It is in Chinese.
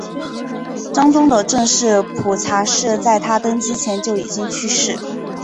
章宗的正室蒲察氏在他登基前就已经去世。